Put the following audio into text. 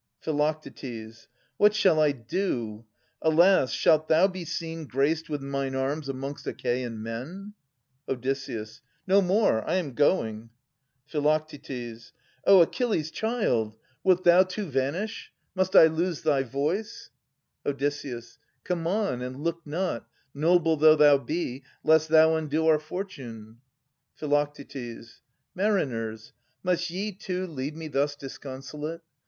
Phi. What shall I do ? Alas, shalt thou be seen Graced with mine arms amongst Achaean men? Od. No more ! I am going. Phi. O Achilles' child ! 1066 1098] Philodetes 305 Wilt thou, too, vanish? Must I lose thy voice? Od. Come on, and look not, noble though thou be. Lest thou undo our fortune. Phi. Mariners, Must ye, too, leave me thus disconsolate?